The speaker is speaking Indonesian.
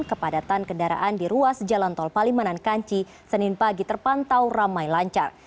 kepadatan kendaraan di ruas jalan tol palimanan kanci senin pagi terpantau ramai lancar